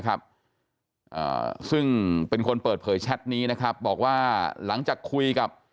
ครับอ่าซึ่งเป็นคนเปิดเผยแชทนี้นะครับบอกว่าหลังจากคุยกับ